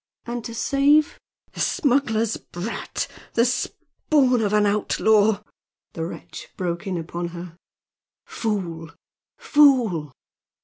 "And to save " "The smuggler's brat! the spawn of an outlaw!" the wretch broke in upon her. "Fool! Fool!